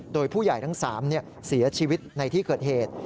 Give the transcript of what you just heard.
โดยผู้ใหญ่ทั้ง๓เสียชีวิตในที่เกิดเหตุ